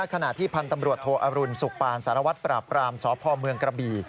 ขณะที่พันธ์ตำรวจโทอรุณสุขปานสารวัตรปราบปรามสพเมืองกระบี่